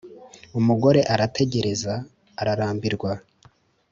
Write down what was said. Umugore arategereza, ararambirwa